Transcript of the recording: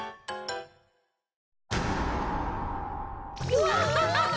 うわ！